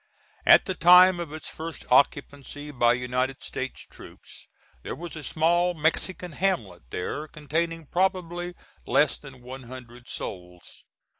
At the time of its first occupancy by United States troops there was a small Mexican hamlet there, containing probably less than one hundred souls.